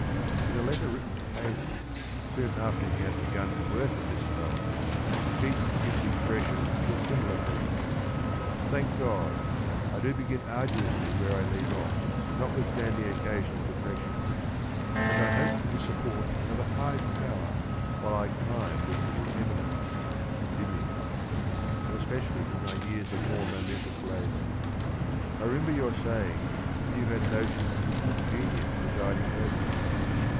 In a letter written to Haydon soon after he had begun to work at this poem Keats gives expression to a similar feeling :*• Thank God ! I do begin arduously where I leave off, notwithstanding occasional depressions; and I hope for the support of a High Power while I climb this little eminence \ Endymion\ and especially in my Years of. more momentous Labour. I remember your saying that you had notions of a good Genius presiding over you.